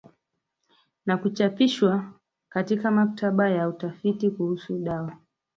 na kuchapishwa katika maktaba ya utafiti kuhusu dawa